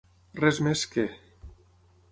Res més que.